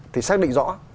thì xác định rõ